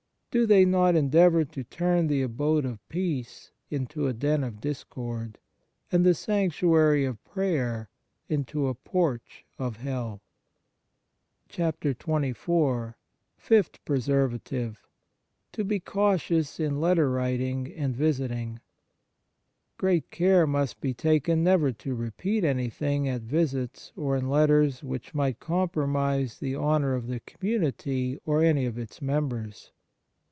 Do they not endeavour to turn the abode of peace into a den of discord, and the sanctuary of prayer into a porch of hell ? 57 XXIV FIFTH PRESERVATIVE To be cautious in letter writing and visiting GREAT care must be taken never to repeat anything at visits or in letters which might compromise the honour of the community or any of its members.